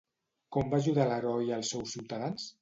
Com va ajudar l'heroi als seus ciutadans?